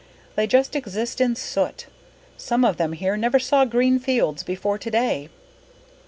They just exist in soot. Some of them here never saw green fields before today."